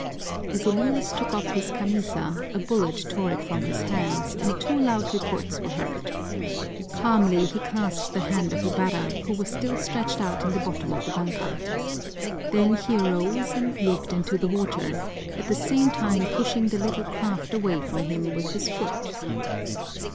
As Elias took off his camisa a bullet tore it from his hands and two loud reports were heard. Calmly he clasped the hand of Ibarra, who was still stretched out in the bottom of the banka. Then he arose and leaped into the water, at the same time pushing the little craft away from him with his foot.